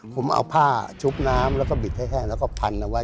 ผมเอาผ้าชุบน้ำแล้วก็บิดให้แห้งแล้วก็พันเอาไว้